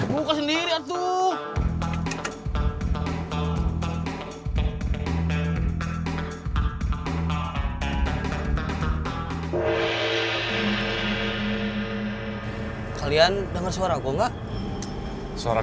buka sendiri atuh